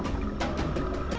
silat harimau pasaker